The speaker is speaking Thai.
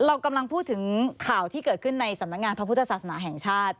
เรากำลังพูดถึงข่าวที่เกิดขึ้นในสำนักงานพระพุทธศาสนาแห่งชาติ